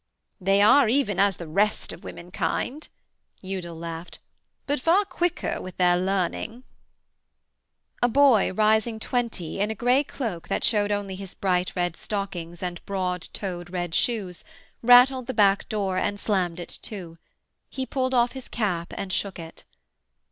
'They are even as the rest of womenkind,' Udal laughed, 'but far quicker with their learning.' A boy rising twenty, in a grey cloak that showed only his bright red stockings and broad toed red shoes, rattled the back door and slammed it to. He pulled off his cap and shook it.